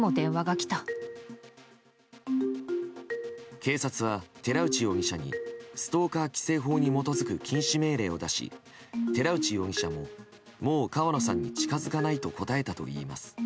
警察は寺内容疑者にストーカー規制法に基づく禁止命令を出し寺内容疑者ももう川野さんに近づかないと答えたといいます。